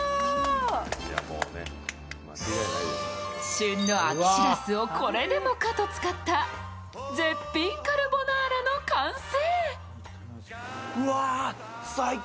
旬の秋しらすをこれでもかと使った絶品カルボナーラの完成。